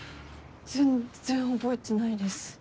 全然覚えてないです。